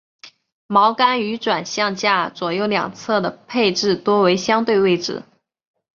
锚杆于转向架左右两侧的配置多为相对位置。